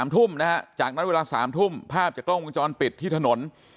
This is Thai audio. ๓ทุ่มนะฮะจากนั้นเวลา๓ทุ่มภาพจากกล้องวงจรปิดที่ถนน